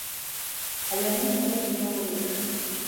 Але яны не могуць нічога вырашыць.